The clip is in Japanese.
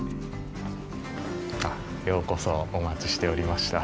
ようこそお待ちしておりました。